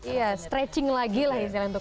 iya stretching lagi lah yang selalu ditukar